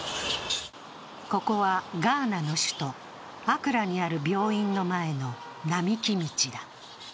ここはガーナの首都アクラにある病院の前の並木道だ。